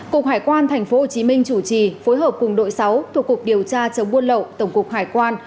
cục hải quan tp hcm chủ trì phối hợp cùng đội sáu thuộc cục điều tra chống buôn lậu tổng cục hải quan